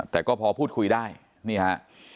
แต่ก็พอพูดคุยได้นี่ฮะ